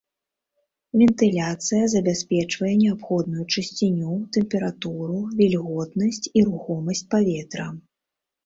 Вентыляцыя забяспечвае неабходную чысціню, тэмпературу, вільготнасць і рухомасць паветра.